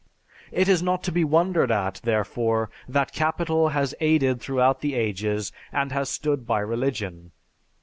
It is not to be wondered at, therefore, that capital has aided throughout the ages and has stood by religion.